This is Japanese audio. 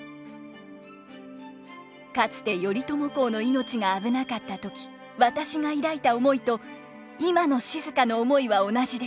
「かつて頼朝公の命が危なかった時私が抱いた思いと今の静の思いは同じです。